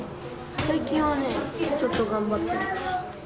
最近はね、ちょっと頑張ってる。